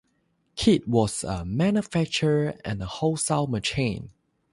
Kidd was a manufacturer and wholesale merchant.